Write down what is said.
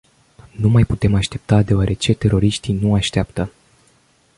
Nu mai putem aștepta, deoarece teroriștii nu așteaptă.